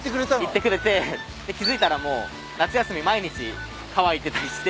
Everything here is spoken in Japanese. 言ってくれてで気付いたらもう夏休み毎日川行ってたりして。